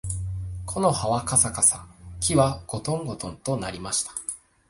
木の葉はかさかさ、木はごとんごとんと鳴りました